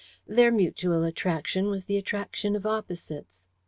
Their mutual attraction was the attraction of opposites.